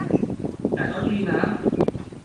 แต่ก็ดีนะ